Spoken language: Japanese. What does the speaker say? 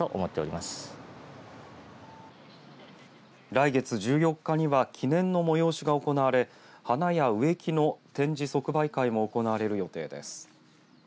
来月１４日には記念の催しが行われ花や植木の展示即売会も行われる予定です。